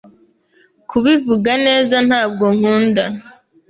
Kubivuga neza, ntabwo nkunda.